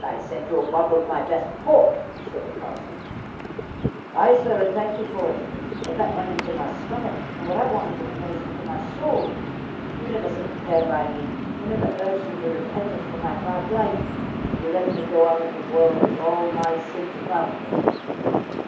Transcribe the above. "I sent you a bottle of my best port," said the parson. "Ay, sir, and thank you for it. But that went into my stomick, and what I wanted was medicine for my soul. You never said a prayer by me. You never urged me to repentance for my bad life, and you let me go out of the world with all my sins about me."